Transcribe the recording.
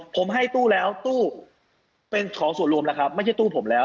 ผมให้ตู้แล้วตู้เป็นของส่วนรวมแล้วครับไม่ใช่ตู้ผมแล้ว